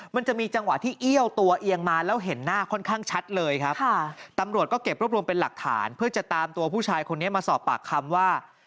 มันจะมีจังหวะที่เยี่ยวตัวเอียงมาแล้วเห็นหน้า